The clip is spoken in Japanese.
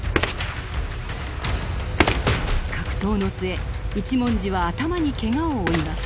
格闘の末一文字は頭にケガを負います。